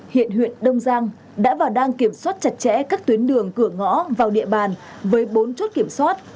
hiện huyện đông giang đã và đang kiểm soát chặt chẽ các tuyến đường cửa ngõ vào địa bàn với bốn chốt kiểm soát